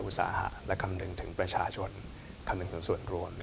อุทยศาสตร์และคำดึงถึงประชาชนคำดึงเป็นส่วนรวม